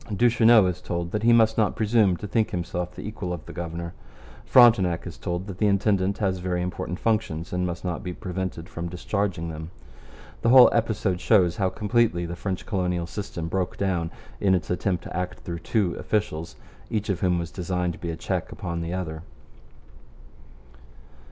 Duchesneau is told that he must not presume to think himself the equal of the governor. Frontenac is told that the intendant has very important functions and must not be prevented from discharging them. The whole episode shows how completely the French colonial system broke down in its attempt to act through two officials, each of whom was designed to be a check upon the other.